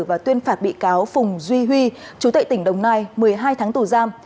và tuyên phạt bị cáo phùng duy huy chú tệ tỉnh đồng nai một mươi hai tháng tù giam